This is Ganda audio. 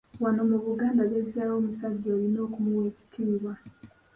Wano mu Buganda Jjajjaawo omusajja olina okumuwa ekitiibwa.